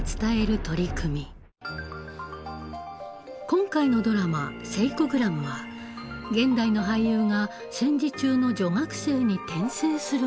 今回のドラマ「セイコグラム」は現代の俳優が戦時中の女学生に転生する物語です。